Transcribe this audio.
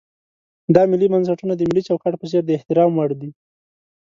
دا ملي بنسټونه د ملي چوکاټ په څېر د احترام وړ دي.